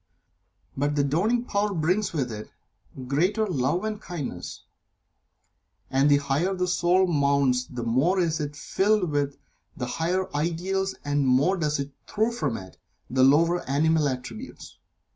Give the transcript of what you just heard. But the dawning power brings with it greater Love and Kindness, and the higher the soul mounts the more is it filled with the higher ideals and the more does it throw from it the lower animal attributes.